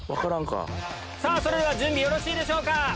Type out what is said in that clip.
それでは準備よろしいでしょうか？